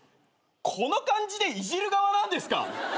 この感じでいじる側なんですか？